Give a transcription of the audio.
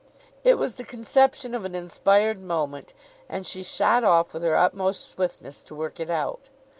It was the conception of an inspired moment, and she shot off with her utmost swiftness to work it out.